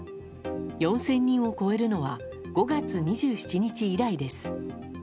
４０００人を超えるのは５月２７日以来です。